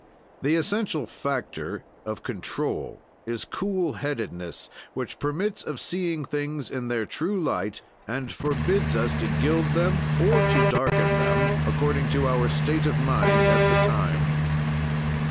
"The essential factor of control is cool headedness, which permits of seeing things in their true light, and forbids us to gild them or to darken them, according to our state of mind at the time."